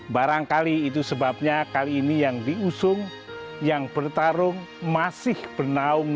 barangkali itu sebabnya kali ini yang diusung yang bertarung masih bernaung